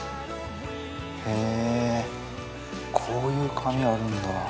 へぇこういう紙あるんだ。